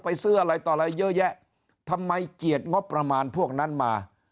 ซื้ออะไรต่ออะไรเยอะแยะทำไมเกียรติงบประมาณพวกนั้นมา